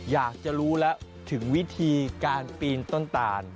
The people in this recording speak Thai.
อยากจะรู้แล้วถึงวิธีการปีนต้นตาล